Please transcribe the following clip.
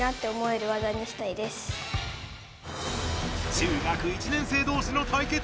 中学１年生同士の対決！